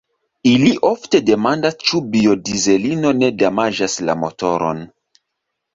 Ili ofte demandas, ĉu biodizelino ne damaĝas la motoron.